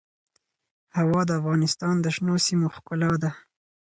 هوا د افغانستان د شنو سیمو ښکلا ده.